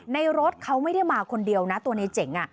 รถเขาไม่ได้มาคนเดียวนะตัวในเจ๋ง